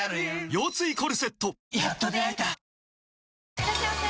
いらっしゃいませ！